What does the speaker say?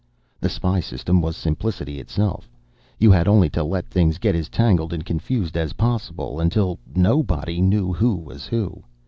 The spy system was simplicity itself; you had only to let things get as tangled and confused as possible until nobody knew who was who.